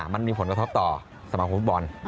มันมีผลกระทบต่อสำหรับฟุฒิบอล